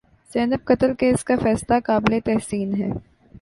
زینب قتل کیس کا فیصلہ قابل تحسین ہے۔